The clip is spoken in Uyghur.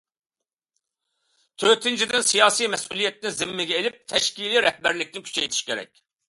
تۆتىنچىدىن، سىياسىي مەسئۇلىيەتنى زىممىگە ئېلىپ، تەشكىلىي رەھبەرلىكنى كۈچەيتىش كېرەك.